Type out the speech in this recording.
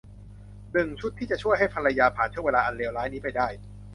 หนึ่ง ชุดที่จะช่วยให้ภรรยาผ่านช่วงเวลาอันเลวร้ายนี้ไปได้